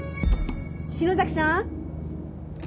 篠崎さん？